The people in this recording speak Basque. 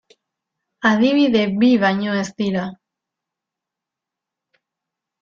Adibide bi baino ez dira.